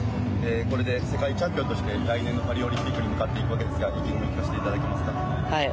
これで世界チャンピオンとして来年のパリオリンピックに向かっていくわけですが意気込みを聞かせていただけますか。